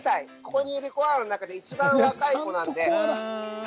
ここにいるコアラの中でいちばん若い子なので。